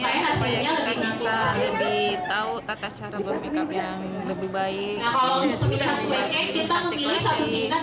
sebenarnya supaya kita bisa lebih tahu tata cara berpikir yang lebih baik buat lebih cantik lagi